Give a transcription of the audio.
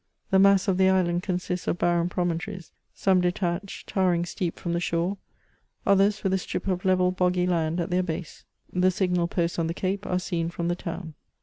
The mass of the island consists of barren, promontories ; some detached, towering steep from the shore ; others, with a strip of level, boggy land at their base. The signal posts on the Cape are seen from the town.